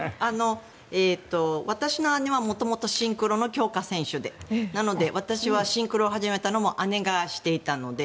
私の姉は元々、シンクロの強化選手でなので、私はシンクロを始めたのも姉がしていたので。